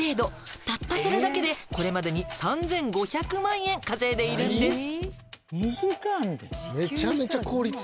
「たったそれだけでこれまでに３，５００万円稼いでいるんです」